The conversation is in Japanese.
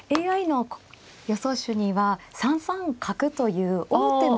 ＡＩの予想手には３三角という王手も。